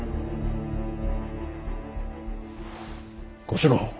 小四郎。